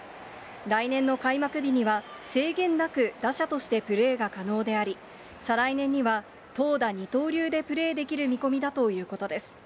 来年の開幕日には制限なく打者としてプレーが可能であり、再来年には投打二刀流でプレーできる見込みだということです。